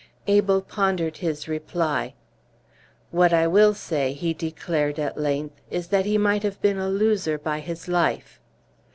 Abel pondered his reply. "What I will say," he declared at length, "is that he might have been a loser by his life!"